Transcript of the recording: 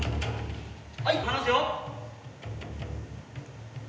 はい離すよ。